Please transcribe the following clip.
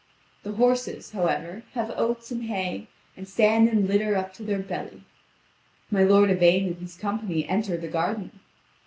The horses, however, have oats and hay, and stand in litter up to their belly. My lord Yvain and his company enter the garden.